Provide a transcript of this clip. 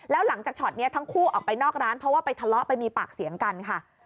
แล้วหลังจากช็อตนี้ทั้งคู่ออกไปนอกร้านเพราะว่าไปทะเลาะไปมีปากเสียงกันค่ะ